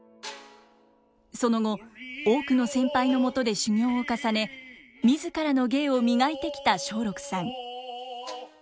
その後多くの先輩のもとで修業を重ね自らの芸を磨いてきた松緑さん。